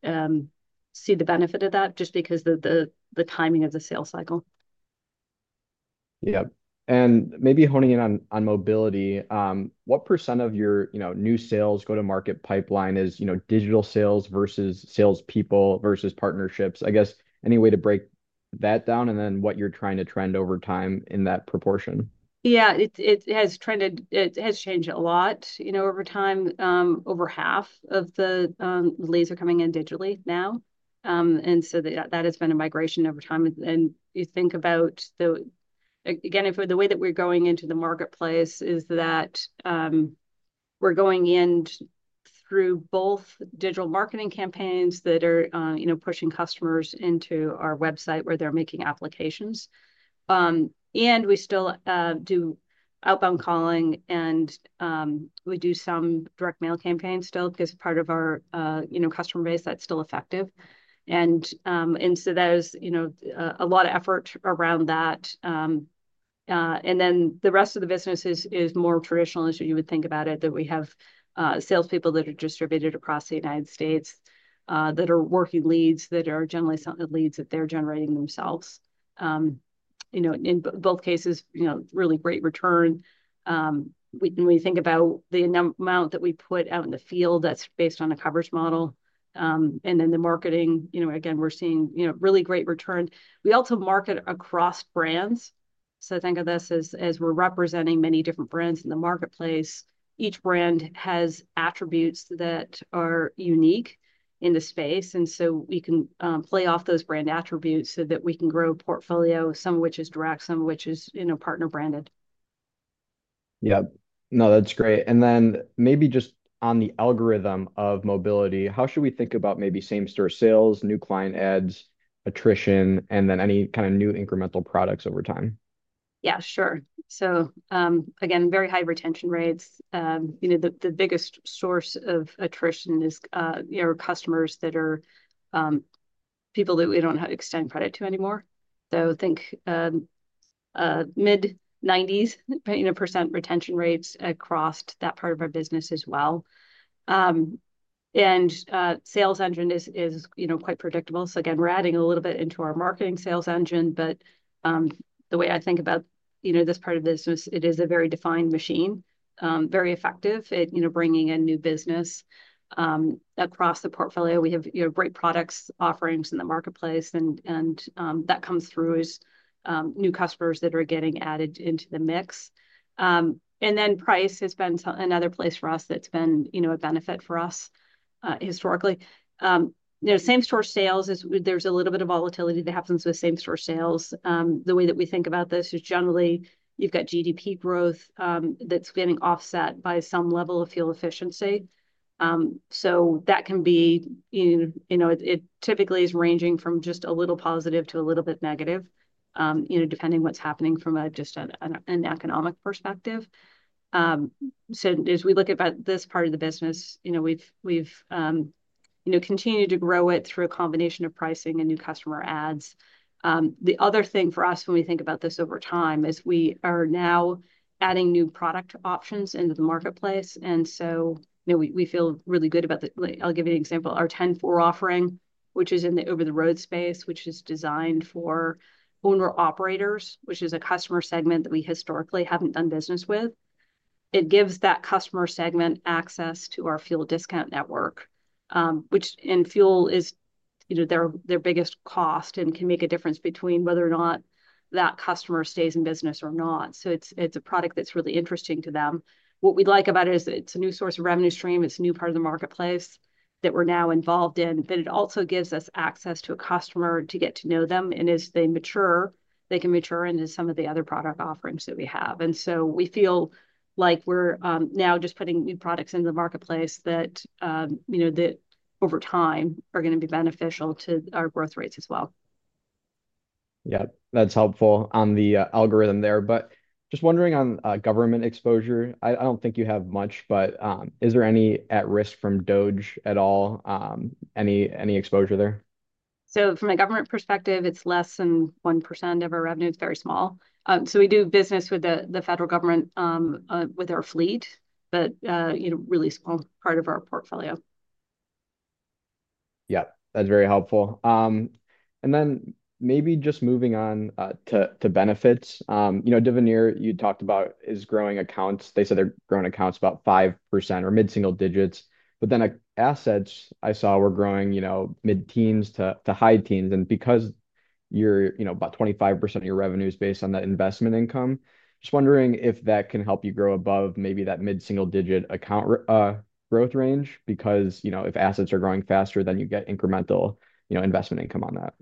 see the benefit of that just because of the timing of the sales cycle. Yeah. Maybe honing in on Mobility, what percent of your, you know, new sales go to market pipeline is, you know, digital sales versus salespeople versus partnerships? I guess any way to break that down and then what you're trying to trend over time in that proportion? Yeah. It has trended, it has changed a lot, you know, over time. Over half of the leads are coming in digitally now. That has been a migration over time. You think about the, again, if the way that we're going into the marketplace is that we're going in through both digital marketing campaigns that are, you know, pushing customers into our website where they're making applications. We still do outbound calling and we do some direct mail campaigns still because part of our, you know, customer base that's still effective. There's, you know, a lot of effort around that. The rest of the business is more traditional as you would think about it that we have salespeople that are distributed across the United States that are working leads that are generally leads that they're generating themselves. You know, in both cases, you know, really great return. When we think about the amount that we put out in the field, that's based on a coverage model. And then the marketing, you know, again, we're seeing, you know, really great return. We also market across brands. So think of this as we're representing many different brands in the marketplace. Each brand has attributes that are unique in the space. And so we can play off those brand attributes so that we can grow a portfolio, some of which is direct, some of which is, you know, partner branded. Yeah. No, that's great. Maybe just on the algorithm of Mobility, how should we think about maybe same-store sales, new client ads, attrition, and then any kind of new incremental products over time? Yeah, sure. Again, very high retention rates. You know, the biggest source of attrition is our customers that are people that we do not extend credit to anymore. I think mid-90% retention rates across that part of our business as well. The sales engine is, you know, quite predictable. We are adding a little bit into our marketing sales engine, but the way I think about, you know, this part of the business, it is a very defined machine, very effective at, you know, bringing in new business across the portfolio. We have, you know, great products, offerings in the marketplace, and that comes through as new customers that are getting added into the mix. Price has been another place for us that has been, you know, a benefit for us historically. You know, same-store sales, there's a little bit of volatility that happens with same-store sales. The way that we think about this is generally you've got GDP growth that's getting offset by some level of fuel efficiency. That can be, you know, it typically is ranging from just a little positive to a little bit negative, you know, depending on what's happening from just an economic perspective. As we look at this part of the business, you know, we've continued to grow it through a combination of pricing and new customer ads. The other thing for us when we think about this over time is we are now adding new product options into the marketplace. You know, we feel really good about the, I'll give you an example, our 10-4 offering, which is in the over-the-road space, which is designed for owner-operators, which is a customer segment that we historically haven't done business with. It gives that customer segment access to our fuel discount network, which in fuel is, you know, their biggest cost and can make a difference between whether or not that customer stays in business or not. It is a product that's really interesting to them. What we like about it is it's a new source of revenue stream. It's a new part of the marketplace that we're now involved in, but it also gives us access to a customer to get to know them. As they mature, they can mature into some of the other product offerings that we have. We feel like we're now just putting new products into the marketplace that, you know, that over time are going to be beneficial to our growth rates as well. Yeah. That's helpful on the algorithm there. Just wondering on government exposure, I don't think you have much, but is there any at risk from DOJ at all? Any exposure there? From a government perspective, it's less than 1% of our revenue. It's very small. We do business with the federal government with our fleet, but, you know, really small part of our portfolio. Yeah. That's very helpful. Maybe just moving on to Benefits, you know, Devenir, you talked about is growing accounts. They said they're growing accounts about 5% or mid-single digits. But then assets I saw were growing, you know, mid-teens to high teens. And because you're, you know, about 25% of your revenue is based on that investment income, just wondering if that can help you grow above maybe that mid-single digit account growth range because, you know, if assets are growing faster, then you get incremental, you know, investment income on that.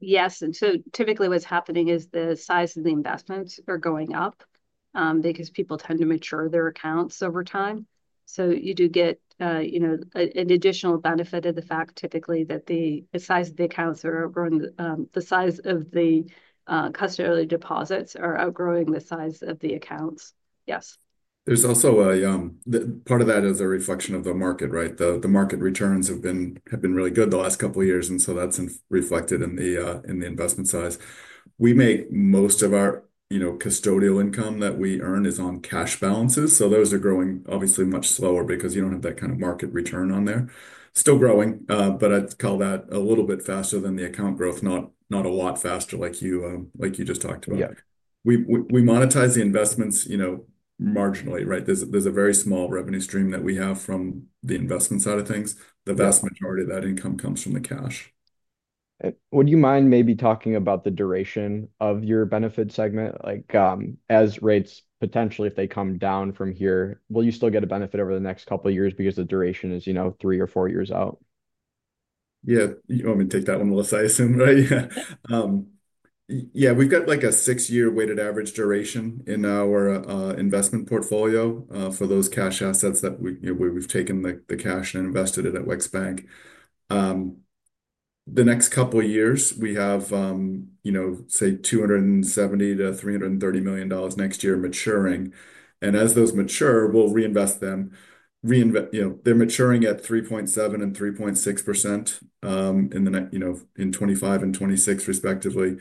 Yes. Typically what's happening is the size of the investments are going up because people tend to mature their accounts over time. You do get, you know, an additional benefit of the fact typically that the size of the custodial deposits are outgrowing the size of the accounts. Yes. There's also a part of that is a reflection of the market, right? The market returns have been really good the last couple of years. That is reflected in the investment size. We make most of our, you know, custodial income that we earn is on cash balances. Those are growing obviously much slower because you do not have that kind of market return on there. Still growing, but I would call that a little bit faster than the account growth, not a lot faster like you just talked about. We monetize the investments, you know, marginally, right? There is a very small revenue stream that we have from the investment side of things. The vast majority of that income comes from the cash. Would you mind maybe talking about the duration of your benefit segment? Like as rates potentially, if they come down from here, will you still get a benefit over the next couple of years because the duration is, you know, three or four years out? Yeah. You want me to take that one, Melissa, I assume, right? Yeah. Yeah. We've got like a six-year weighted average duration in our investment portfolio for those cash assets that we've taken the cash and invested it at WEX Bank. The next couple of years, we have, you know, say $270 million to $330 million next year maturing. As those mature, we'll reinvest them. You know, they're maturing at 3.7% and 3.6% in the, you know, in 2025 and 2026 respectively.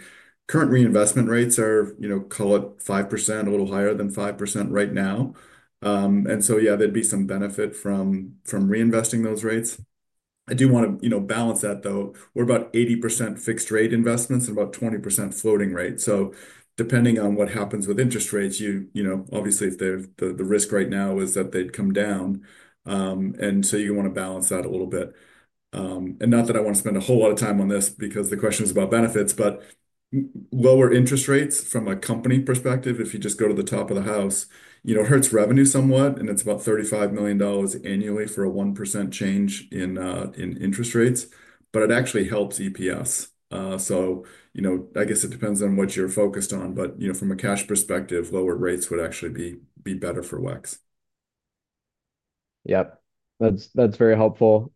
Current reinvestment rates are, you know, call it 5%, a little higher than 5% right now. Yeah, there'd be some benefit from reinvesting those rates. I do want to, you know, balance that though. We're about 80% fixed rate investments and about 20% floating rate. Depending on what happens with interest rates, you know, obviously if the risk right now is that they'd come down. You want to balance that a little bit. Not that I want to spend a whole lot of time on this because the question is about Benefits, but lower interest rates from a company perspective, if you just go to the top of the house, you know, hurts revenue somewhat. It is about $35 million annually for a 1% change in interest rates, but it actually helps EPS. I guess it depends on what you're focused on, but, you know, from a cash perspective, lower rates would actually be better for WEX. Yep. That's very helpful.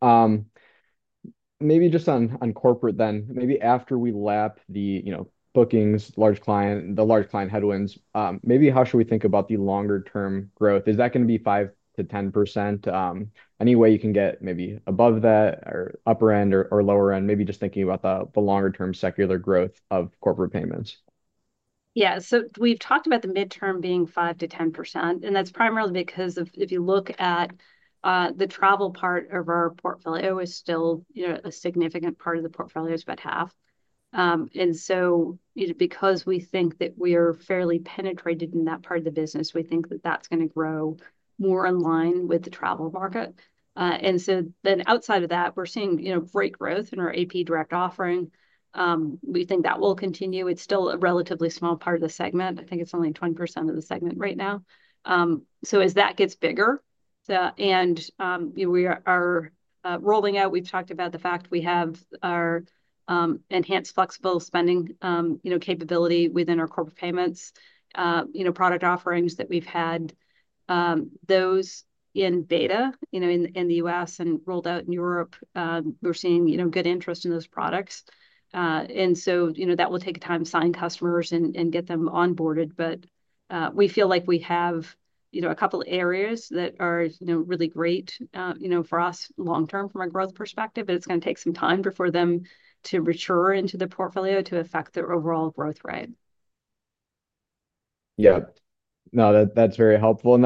Maybe just on Corporate then, maybe after we lap the, you know, bookings, large client, the large client headwinds, maybe how should we think about the longer-term growth? Is that going to be 5%-10%? Any way you can get maybe above that or upper end or lower end, maybe just thinking about the longer-term secular growth of Corporate Payments? Yeah. We've talked about the midterm being 5%-10%. That's primarily because if you look at the travel part of our portfolio, it was still, you know, a significant part of the portfolio is about half. You know, because we think that we are fairly penetrated in that part of the business, we think that that's going to grow more in line with the travel market. Outside of that, we're seeing, you know, great growth in our AP Direct offering. We think that will continue. It's still a relatively small part of the segment. I think it's only 20% of the segment right now. As that gets bigger and we are rolling out, we've talked about the fact we have our enhanced flexible spending, you know, capability within our Corporate Payments, you know, product offerings that we've had, those in beta, you know, in the U.S. and rolled out in Europe, we're seeing, you know, good interest in those products. You know, that will take time to sign customers and get them onboarded. We feel like we have, you know, a couple of areas that are, you know, really great, you know, for us long-term from a growth perspective, but it's going to take some time for them to mature into the portfolio to affect their overall growth rate. Yeah. No, that's very helpful.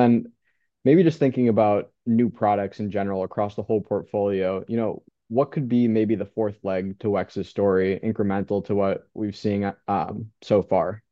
Maybe just thinking about new products in general across the whole portfolio, you know, what could be maybe the fourth leg to WEX's story, incremental to what we've seen so far?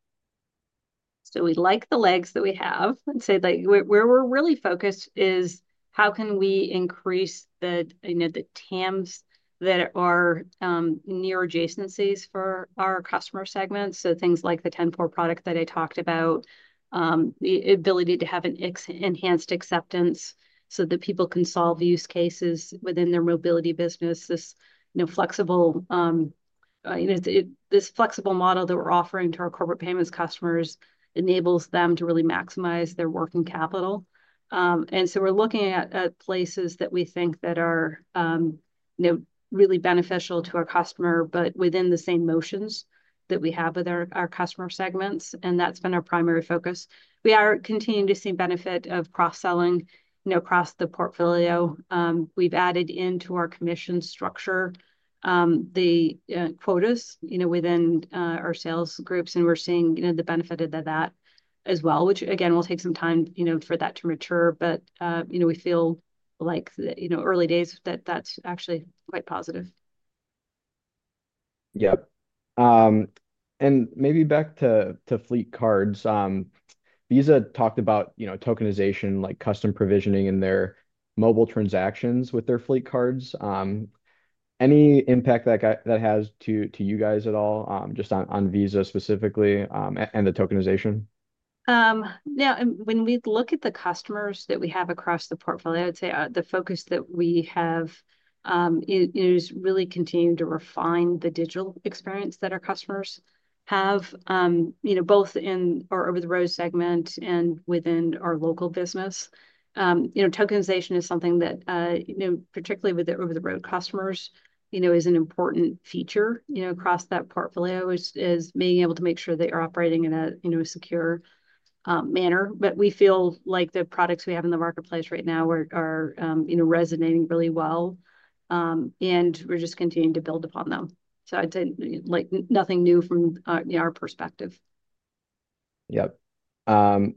We like the legs that we have. I'd say like where we're really focused is how can we increase the, you know, the TAMs that are near adjacencies for our customer segments. Things like the 10-4 product that I talked about, the ability to have an enhanced acceptance so that people can solve use cases within their Mobility business, this, you know, flexible, you know, this flexible model that we're offering to our Corporate Payments customers enables them to really maximize their working capital. We are looking at places that we think that are, you know, really beneficial to our customer, but within the same motions that we have with our customer segments. That's been our primary focus. We are continuing to see benefit of cross-selling, you know, across the portfolio. We've added into our commission structure the quotas, you know, within our sales groups. We are seeing, you know, the benefit of that as well, which again, will take some time, you know, for that to mature. You know, we feel like, you know, early days that that's actually quite positive. Yep. Maybe back to fleet cards. Visa talked about, you know, tokenization, like custom provisioning in their mobile transactions with their fleet cards. Any impact that has to you guys at all, just on Visa specifically and the tokenization? Now, when we look at the customers that we have across the portfolio, I'd say the focus that we have, you know, is really continuing to refine the digital experience that our customers have, you know, both in our over-the-road segment and within our local business. You know, tokenization is something that, you know, particularly with the over-the-road customers, you know, is an important feature, you know, across that portfolio is being able to make sure they are operating in a, you know, secure manner. We feel like the products we have in the marketplace right now are, you know, resonating really well. We are just continuing to build upon them. I'd say like nothing new from our perspective. Yep.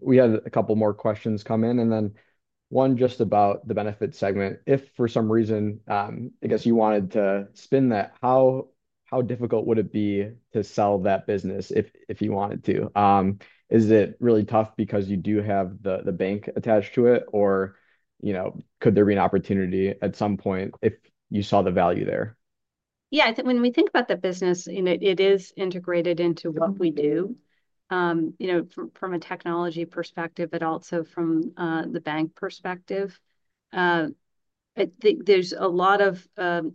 We had a couple more questions come in. One just about the benefit segment. If for some reason, I guess you wanted to spin that, how difficult would it be to sell that business if you wanted to? Is it really tough because you do have the bank attached to it? Or, you know, could there be an opportunity at some point if you saw the value there? Yeah. I think when we think about the business, you know, it is integrated into what we do, you know, from a technology perspective, but also from the bank perspective. There is a lot of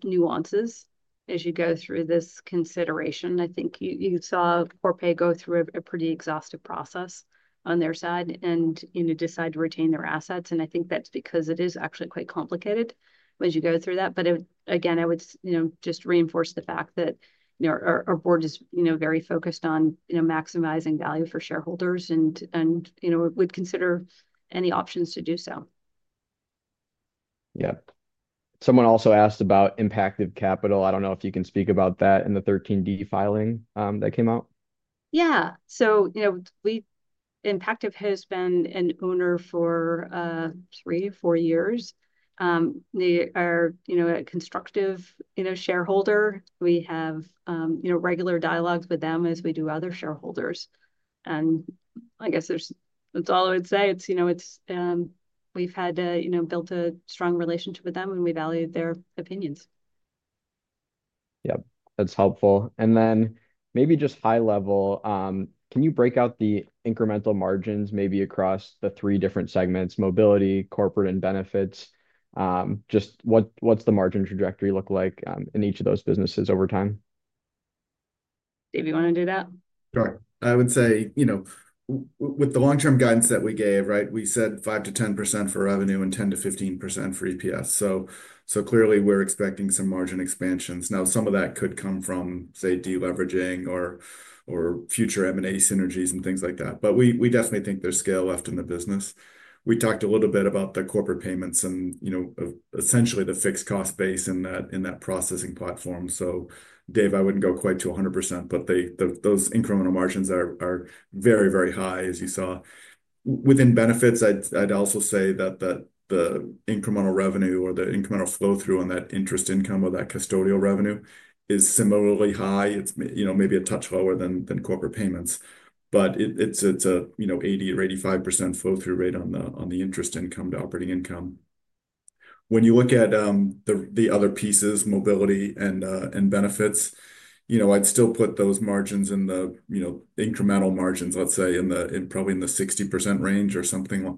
nuances as you go through this consideration. I think you saw Corpay go through a pretty exhaustive process on their side and, you know, decide to retain their assets. I think that is because it is actually quite complicated as you go through that. Again, I would, you know, just reinforce the fact that, you know, our board is, you know, very focused on, you know, maximizing value for shareholders and, you know, would consider any options to do so. Yeah. Someone also asked about Impactive Capital. I do not know if you can speak about that in the 13D filing that came out. Yeah. You know, Impactive has been an owner for three, four years. They are, you know, a constructive, you know, shareholder. We have, you know, regular dialogues with them as we do other shareholders. I guess that's all I would say. You know, we've had, you know, built a strong relationship with them and we value their opinions. Yep. That's helpful. Maybe just high level, can you break out the incremental margins maybe across the three different segments, Mobility, Corporate, and Benefits? Just what's the margin trajectory look like in each of those businesses over time? Dave, you want to do that? Sure. I would say, you know, with the long-term guidance that we gave, right, we said 5%-10% for revenue and 10%-15% for EPS. Clearly we're expecting some margin expansions. Now, some of that could come from, say, deleveraging or future M&A synergies and things like that. We definitely think there's scale left in the business. We talked a little bit about the Corporate Payments and, you know, essentially the fixed cost base in that processing platform. Dave, I wouldn't go quite to 100%, but those incremental margins are very, very high, as you saw. Within Benefits, I'd also say that the incremental revenue or the incremental flow-through on that interest income or that custodial revenue is similarly high. It's, you know, maybe a touch lower than Corporate Payments. It's a, you know, 80% or 85% flow-through rate on the interest income to operating income. When you look at the other pieces, Mobility and Benefits, you know, I'd still put those margins in the, you know, incremental margins, let's say, in probably in the 60% range or something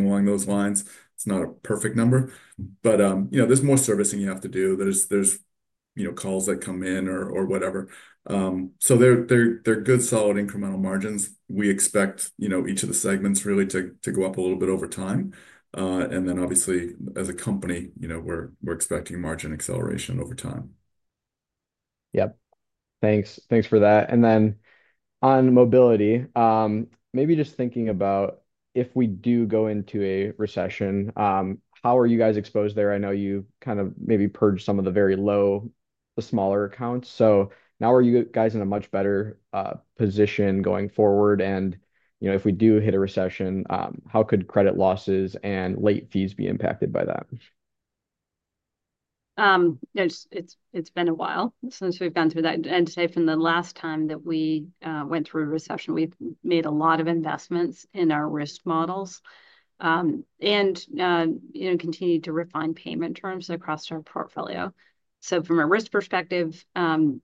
along those lines. It's not a perfect number. But, you know, there's more servicing you have to do. There's, you know, calls that come in or whatever. So they're good solid incremental margins. We expect, you know, each of the segments really to go up a little bit over time. Obviously, as a company, you know, we're expecting margin acceleration over time. Yep. Thanks for that. On Mobility, maybe just thinking about if we do go into a recession, how are you guys exposed there? I know you kind of maybe purged some of the very low, the smaller accounts. Now are you guys in a much better position going forward? If we do hit a recession, how could credit losses and late fees be impacted by that? It's been a while since we've gone through that. I'd say from the last time that we went through a recession, we've made a lot of investments in our risk models and, you know, continued to refine payment terms across our portfolio. From a risk perspective,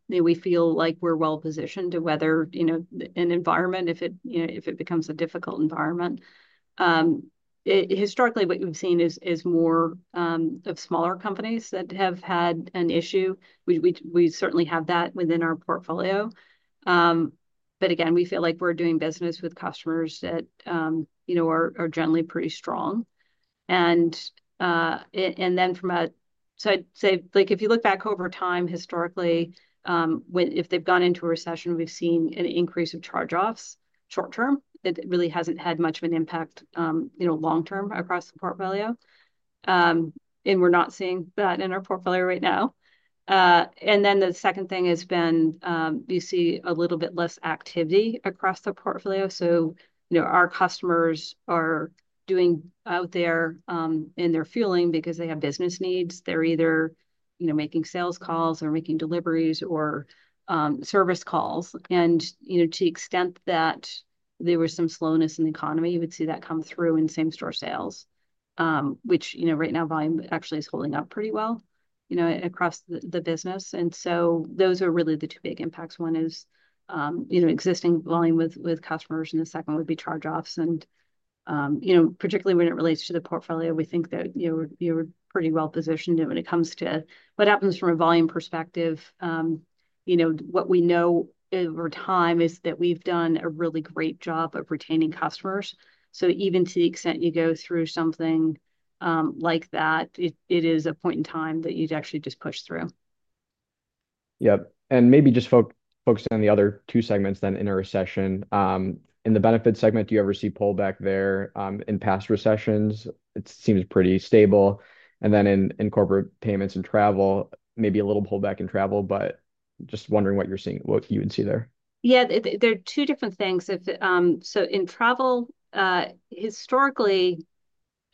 we feel like we're well positioned to weather, you know, an environment if it becomes a difficult environment. Historically, what we've seen is more of smaller companies that have had an issue. We certainly have that within our portfolio. Again, we feel like we're doing business with customers that, you know, are generally pretty strong. I'd say like if you look back over time, historically, if they've gone into a recession, we've seen an increase of charge-offs short-term. It really hasn't had much of an impact, you know, long-term across the portfolio. We're not seeing that in our portfolio right now. The second thing has been you see a little bit less activity across the portfolio. You know, our customers are out there in their fueling because they have business needs. They're either, you know, making sales calls or making deliveries or service calls. To the extent that there was some slowness in the economy, you would see that come through in same-store sales, which, you know, right now volume actually is holding up pretty well across the business. Those are really the two big impacts. One is, you know, existing volume with customers. The second would be charge-offs. You know, particularly when it relates to the portfolio, we think that we're pretty well positioned when it comes to what happens from a volume perspective. You know, what we know over time is that we've done a really great job of retaining customers. So even to the extent you go through something like that, it is a point in time that you'd actually just push through. Yep. Maybe just focusing on the other two segments then in a recession. In the benefit segment, do you ever see pullback there in past recessions? It seems pretty stable. Then in Corporate Payments and travel, maybe a little pullback in travel, but just wondering what you're seeing, what you would see there. Yeah. They're two different things. In travel, historically,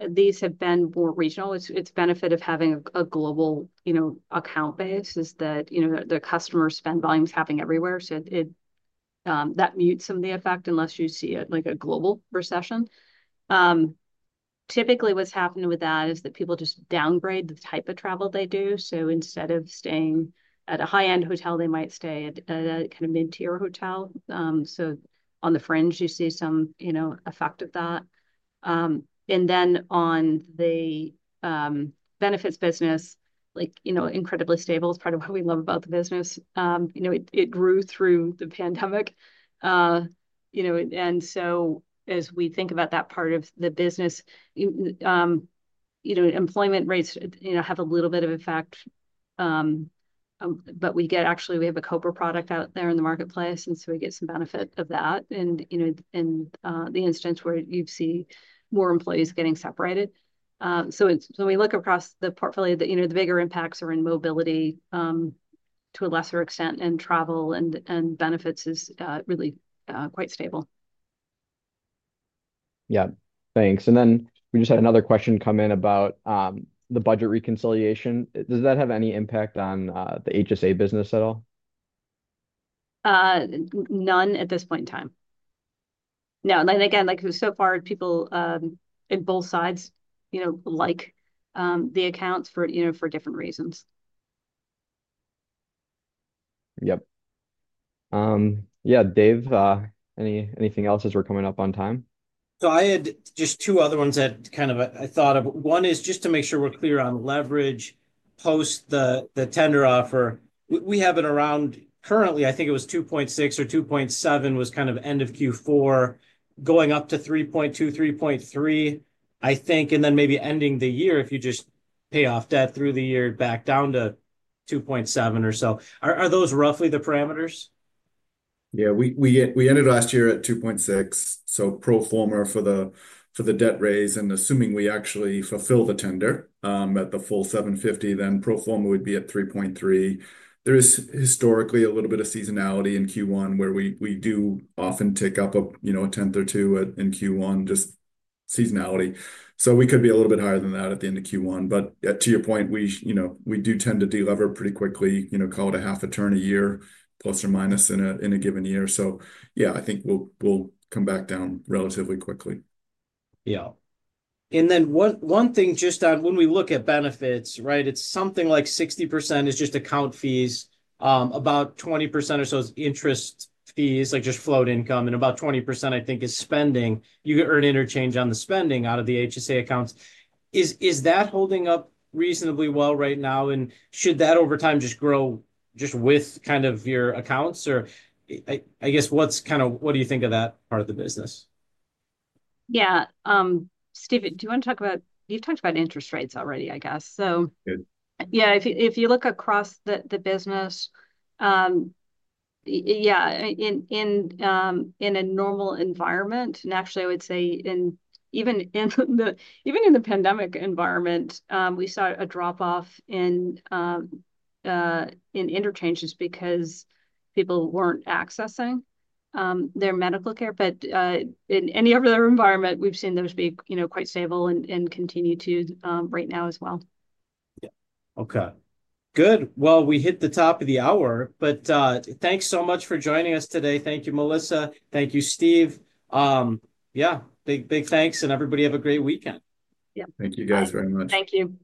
these have been more regional. It's benefit of having a global, you know, account base is that, you know, the customer spend volume's happening everywhere. That mutes some of the effect unless you see it like a global recession. Typically, what's happened with that is that people just downgrade the type of travel they do. Instead of staying at a high-end hotel, they might stay at a kind of mid-tier hotel. On the fringe, you see some, you know, effect of that. In the Benefits business, like, you know, incredibly stable is part of what we love about the business. It grew through the pandemic. You know, and as we think about that part of the business, you know, employment rates, you know, have a little bit of effect. Actually, we have a COBRA product out there in the marketplace. And you know, we get some benefit of that. You know, in the instance where you see more employees getting separated. When we look across the portfolio, you know, the bigger impacts are in Mobility to a lesser extent and travel, and Benefits is really quite stable. Yeah. Thanks. We just had another question come in about the budget reconciliation. Does that have any impact on the HSA business at all? None at this point in time. No. Like so far, people in both sides, you know, like the accounts for, you know, for different reasons. Yep. Yeah. Dave, anything else as we're coming up on time? I had just two other ones that kind of I thought of. One is just to make sure we're clear on leverage post the tender offer. We have it around currently, I think it was 2.6 or 2.7 was kind of end of Q4 going up to 3.2-3.3, I think. And then maybe ending the year, if you just pay off debt through the year back down to 2.7 or so. Are those roughly the parameters? Yeah. We ended last year at 2.6. So pro forma for the debt raise, and assuming we actually fulfill the tender at the full $750 million, then pro forma would be at 3.3. There is historically a little bit of seasonality in Q1 where we do often tick up a, you know, a tenth or two in Q1, just seasonality. We could be a little bit higher than that at the end of Q1. To your point, we, you know, we do tend to deliver pretty quickly, you know, call it a half a turn a year, plus or minus in a given year. Yeah, I think we'll come back down relatively quickly. Yeah. One thing just on when we look at Benefits, right, it's something like 60% is just account fees, about 20% or so is interest fees, like just float income, and about 20% I think is spending. You could earn interchange on the spending out of the HSA accounts. Is that holding up reasonably well right now? Should that over time just grow just with kind of your accounts? Or I guess what's kind of, what do you think of that part of the business? Yeah. Steve, do you want to talk about, you've talked about interest rates already, I guess. If you look across the business, yeah, in a normal environment, and actually I would say even in the pandemic environment, we saw a drop-off in interchanges because people weren't accessing their medical care. In any other environment, we've seen those be, you know, quite stable and continue to right now as well. Yeah. Okay. Good. We hit the top of the hour. Thanks so much for joining us today. Thank you, Melissa. Thank you, Steve. Yeah. Big thanks. Everybody have a great weekend. Yeah. Thank you guys very much. Thank you. See you.